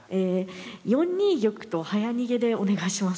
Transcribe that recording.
４二玉と早逃げでお願いします。